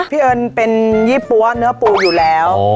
เอิญเป็นยี่ปั๊วเนื้อปูอยู่แล้ว